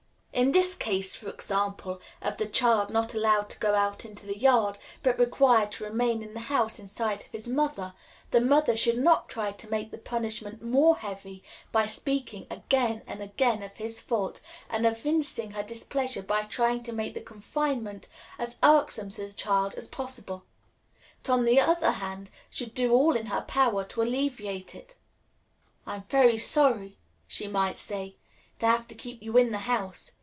[Illustration: "IT IS NOT SAFE"] In the case, for example, of the child not allowed to go out into the yard, but required to remain in the house in sight of his mother, the mother should not try to make the punishment more heavy by speaking again and again of his fault, and evincing her displeasure by trying to make the confinement as irksome to the child as possible; but, on the other hand, should do all in her power to alleviate it. "I am very sorry," she might say, "to have to keep you in the house.